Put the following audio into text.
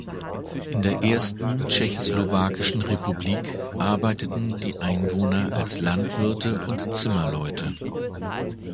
In der ersten tschechoslowakischen Republik arbeiteten die Einwohner als Landwirte und Zimmerleute.